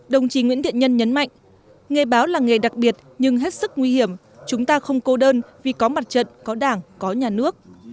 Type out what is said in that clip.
đồng chí nguyễn thiện nhân nhấn mạnh nghề báo là nghề đặc biệt nhưng hết sức nguy hiểm chúng ta không cô đơn vì có mặt trận có đảng có nhà nước